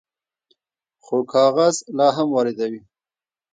خو کاغذ لا هم واردوي.